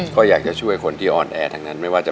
พ่อผมจะช่วยพ่อผมจะช่วยพ่อผมจะช่วย